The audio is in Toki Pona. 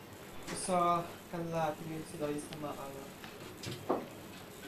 taso, ken la pilin sina li sama ala.